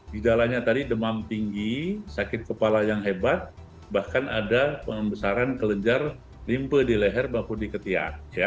gejalanya tadi demam tinggi sakit kepala yang hebat bahkan ada pengebesaran kelenjar limpa di leher bahkan di ketia